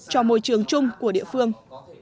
cho môi trường chung của địa phương